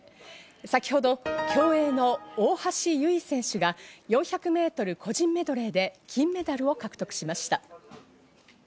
先ほど競泳の大橋悠依選手が４００ｍ個人メドレーで金メダルを獲得しました。